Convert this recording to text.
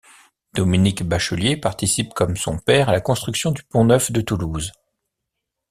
Dominique Bachelier participe comme son père à la construction du Pont-Neuf de Toulouse.